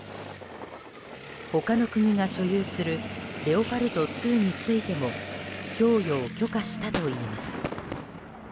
他の国が所有するレオパルト２についても供与を許可したといいます。